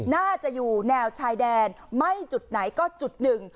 น่าจะอยู่แนวชายแดนไม่จุดไหนก็จุดหนึ่ง